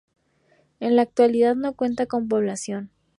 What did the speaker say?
En la actualidad no cuenta con población.